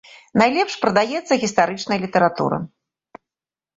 Найлепш прадаецца гістарычная літаратура.